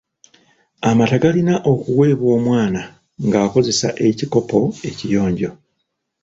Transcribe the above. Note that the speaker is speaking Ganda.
Amata galina okuweebwa omwana ng'okozesa ekikopo ekiyonjo.